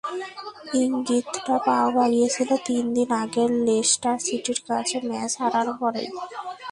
ইঙ্গিতটা পাওয়া গিয়েছিল তিন দিন আগের লেস্টার সিটির কাছে ম্যাচে হারার পরেই।